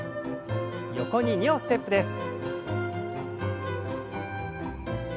横に２歩ステップです。